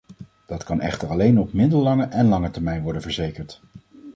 Dat kan echter alleen op middellange en lange termijn worden verzekerd.